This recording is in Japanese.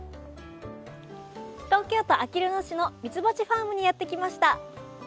東京都あきる野市のみつばちファームにやってきました。